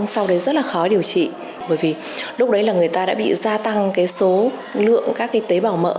sau đấy rất là khó điều trị bởi vì lúc đấy là người ta đã bị gia tăng số lượng các tế bào mỡ